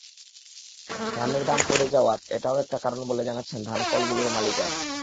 ধানের দাম পড়ে যাওয়ার এটাও একটা কারণ বলে জানাচ্ছেন ধানকলগুলোর মালিকেরা।